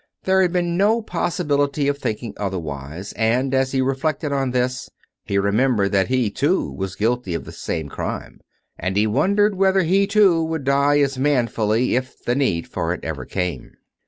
There had been no possibility of thinking otherwise ; and, as he reflected on this, he remembered that he, too, was guilty of the same crime; ... and he wondered whether he, too, would die as manfully, if the need for it ever came.